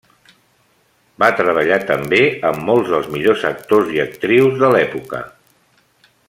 Va treballar també amb molts dels millors actors i actrius de l'època.